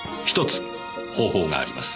１つ方法があります。